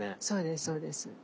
そうですそうです。